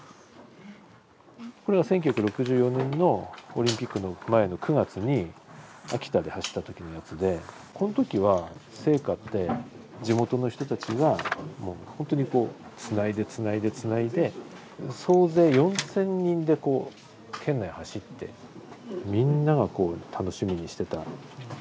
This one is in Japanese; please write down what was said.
これは１９６４年のオリンピックの前の９月に秋田で走った時のやつでこんときは聖火って地元の人たちがほんとにこうつないでつないでつないで総勢４，０００人でこう県内走ってみんながこう楽しみにしてた。